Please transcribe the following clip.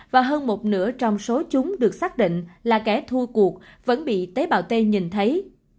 và hơn một nửa trong số chúng được xác định là kẻ thua cuộc vẫn bị tế bào tây nhìn thấy